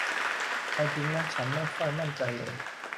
เอาจริงนะ ฉันไม่ค่อยมันใจเลย